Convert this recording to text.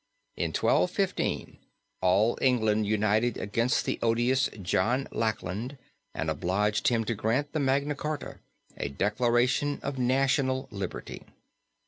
In 1215, all England united against the odious John Lackland and obliged him to grant the Magna Charta a declaration of national liberty.